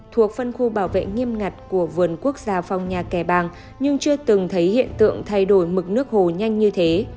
thuộc phân khu bảo vệ nghiêm ngặt của vườn quốc gia phong nhà kẻ bàng nhưng chưa từng thấy hiện tượng thay đổi mực nước hồ nhanh như thế